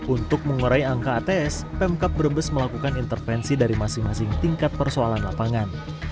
untuk mengurai angka ats pemkap brebes melakukan intervensi dari masing masing tingkat persoalan lapangan